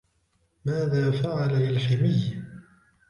ماذا فعل للحمي ؟